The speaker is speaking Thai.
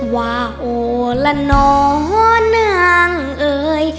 ว่าโอละนองอเนื่องเออ